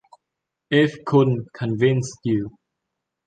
If couldn’t convince you.